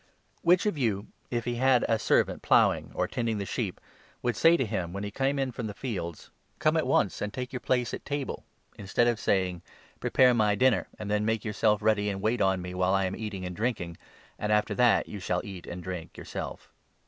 Which of you, if he had a servant ploughing, 7 Duty' or tending the sheep, would say to him, when he came in from the fields, ' Come at once and take your place 144 LUKE, 17. at table,' instead of saying ' Prepare my dinner, and then make 8 yourself ready and wait on me while I am eating and drinking, and after that you shall eat and drink yourself